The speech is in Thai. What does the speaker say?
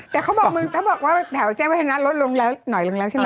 แต่เขาบอกมึงถ้าบอกว่าแถวแจ้งวัฒนาลดลงแล้วหน่อยลงแล้วใช่ไหม